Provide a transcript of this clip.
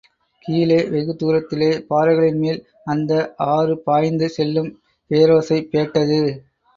கீழே வெகுதூரத்திலே, பாறைகளின்மேல் அந்த ஆறு பாய்ந்து செல்லும் பேரோசை பேட்டது.